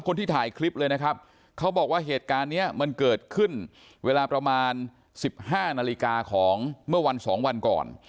๑๕นาฬิกาของเมื่อวัน๒วันก่อน